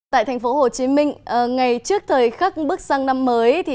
tại thành phố hồ chí minh ngay trước thời khắc bước sang năm mới